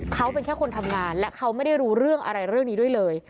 เขาเป็นแค่คนทำงานและเขาไม่ได้รู้เรื่องอะไรเรื่องนี้ด้วยเลย